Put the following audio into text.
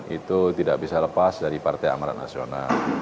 pak amin kapanpun itu tidak bisa lepas dari partai amaran nasional